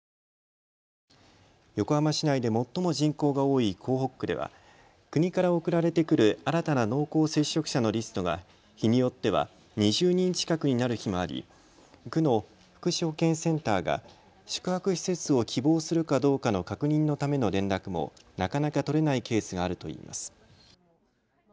横浜市内で最も人口が多い港北区では国から送られてくる新たな濃厚接触者のリストが日によっては２０人近くになる日もあり、区の福祉保健センターが宿泊施設を希望するかどうかの確認のための連絡もなかなか取れないケースがあるといいます。